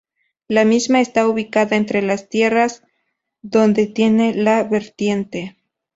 La misma está ubicada entre las sierras, donde tiene la vertiente.